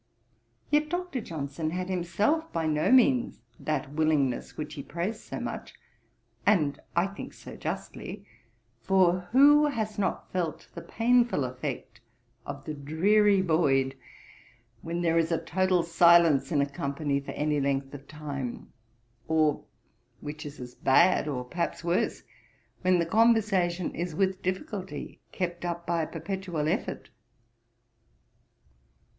Yet Dr. Johnson had himself by no means that willingness which he praised so much, and I think so justly; for who has not felt the painful effect of the dreary void, when there is a total silence in a company, for any length of time; or, which is as bad, or perhaps worse, when the conversation is with difficulty kept up by a perpetual effort?